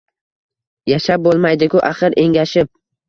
Yashab bo‘lmaydiku axir engashib